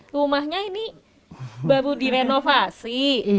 rumahnya ini baru direnovasi